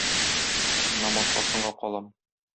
Намазга соңга калам